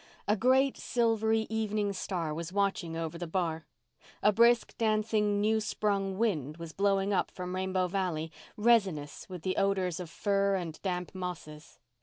A great silvery evening star was watching over the bar. A brisk, dancing, new sprung wind was blowing up from Rainbow Valley, resinous with the odours of fir and damp mosses.